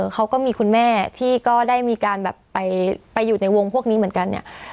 เขาก็มีคุณแม่ที่ก็ได้มีการแบบไปอยู่ในวงพวกนี้เหมือนกันเนี่ย